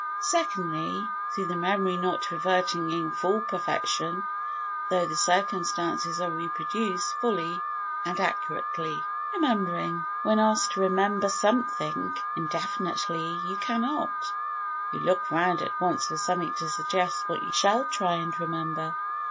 Secondly, through the memory not reverting in full perfection, though the circumstances are reproduced fully and accurately. Remembering When asked to remember "something" indefinitely you cannot: you look round at once for something to suggest what you shall try and remember.